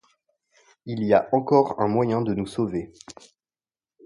Il y a encore un moyen de nous sauver !